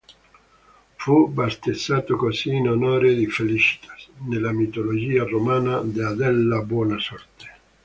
Fu battezzato così in onore di Felicitas, nella mitologia romana dea della buona sorte.